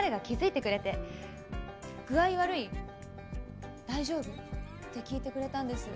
「具合悪い？大丈夫？」って聞いてくれたんです。